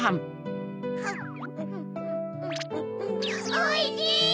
おいしい！